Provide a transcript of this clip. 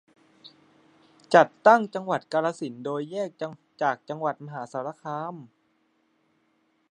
จัดตั้งจังหวัดกาฬสินธุ์ โดยแยกจากจังหวัดมหาสารคาม